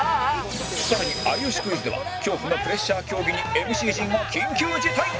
さらに『有吉クイズ』では恐怖のプレッシャー競技に ＭＣ 陣が緊急事態！